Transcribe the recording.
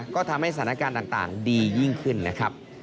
ก็ทำให้สถานการณ์ต่างดียิ่งขึ้นนะครับ